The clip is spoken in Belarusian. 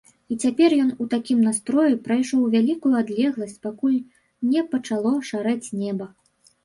І цяпер ён у такім настроі прайшоў вялікую адлегласць, пакуль не пачало шарэць неба.